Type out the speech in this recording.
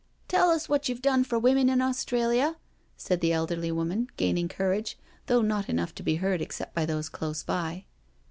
'* Tell us what you've done for women in Australia," said the elderly woman, gaining courage, though not enough to be heard except by those close by.